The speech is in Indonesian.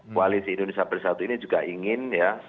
koalisi indonesia persatu ini juga ingin